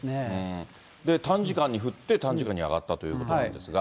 短時間に降って、短時間に上がったということなんですが。